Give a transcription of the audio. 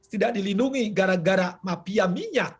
tidak dilindungi gara gara mafia minyak